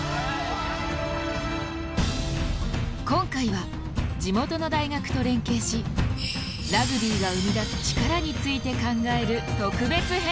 今回は地元の大学と連携しラグビーが生み出す力について考える特別編。